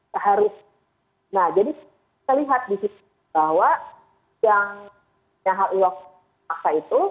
nah jadi saya lihat di situ bahwa yang hal hal paksa itu